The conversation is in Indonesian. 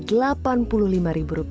dian permatasari bandung